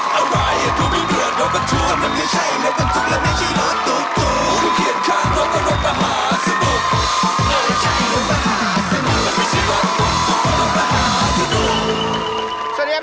สวัสดีครับพี่เน๊ยองค่ะสวัสดีครับ